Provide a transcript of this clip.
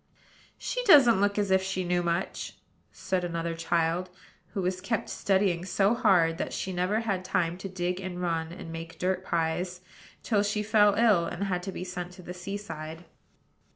"She doesn't look as if she knew much," said another child, who was kept studying so hard that she never had time to dig and run, and make dirt pies, till she fell ill, and had to be sent to the sea side.